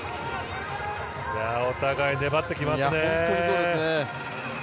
お互い粘ってきますね。